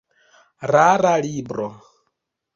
Rara libro.